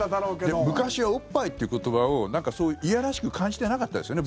でも、昔はおっぱいって言葉をいやらしく感じてなかったですよね。